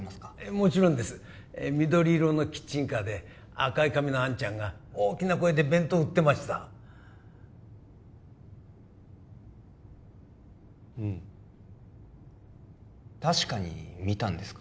もちろんです緑色のキッチンカーで赤い髪のあんちゃんが大きな声で弁当売ってましたうん確かに見たんですか？